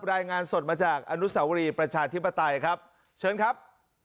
รายงานสดมาจากอนุสาวรีประชาธิปไตยครับเชิญครับ